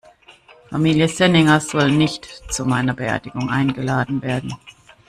Familie Senninger soll nicht zu meiner Beerdigung eingeladen werden.